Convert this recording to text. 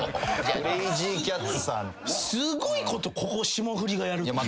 すごいことここ霜降りがやるって。